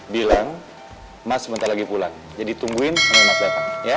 bilang mas sebentar lagi pulang jadi tungguin sama mas datang ya